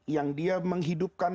yang dia menghidupkan